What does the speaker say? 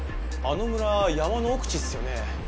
あの村山の奥地っすよね。